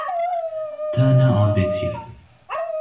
Te neavêtiye.